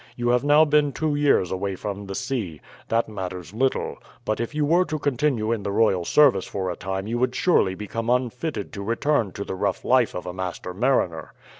You have now been two years away from the sea. That matters little; but if you were to continue in the royal service for a time you would surely become unfitted to return to the rough life of a master mariner.